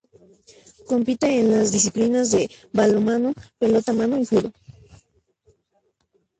Compite en las disciplinas de balonmano, pelota mano y judo.